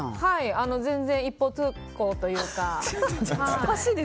全然一方通行というか。